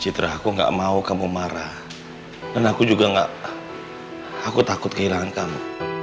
citra aku gak mau kamu marah dan aku juga enggak aku takut kehilangan kamu